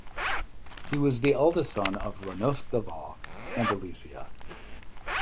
He was the eldest son of Ranulf de Vaux and Alicia.